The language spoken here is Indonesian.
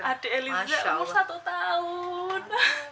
adik elitnya umur satu tahun